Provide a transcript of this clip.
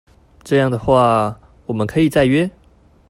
這樣的話我們可以再約